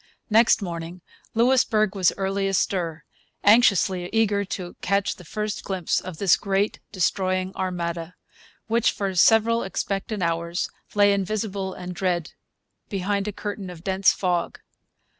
Next morning Louisbourg was early astir, anxiously eager to catch the first glimpse of this great destroying armada, which for several expectant hours lay invisible and dread behind a curtain of dense fog.